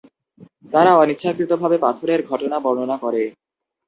তারা অনিচ্ছাকৃতভাবে পাথরের ঘটনা বর্ণনা করে।